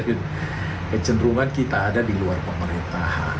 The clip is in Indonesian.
kecenderungan kita ada di luar pemerintahan